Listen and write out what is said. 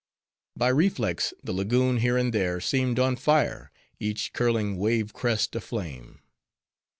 By reflex, the lagoon, here and there, seemed on fire; each curling wave crest a flame.